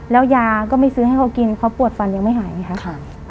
แล้วยาก็ไม่ซื้อให้เขากินเขาปวดฟันยังไม่หายไงคะ